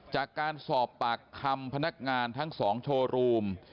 จากการสอบปากคำพนักงานทั้ง๒โชว์รูม